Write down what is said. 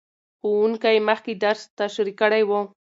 ښوونکی مخکې درس تشریح کړی و.